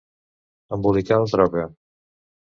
Embolicar la troca.